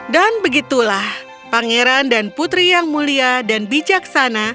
dan begitulah pangeran dan putri yang mulia dan bijaksana